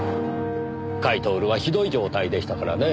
甲斐享はひどい状態でしたからねぇ。